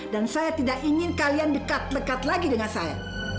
dan saya tidak ingin kalian dekat dekat lagi dengan saya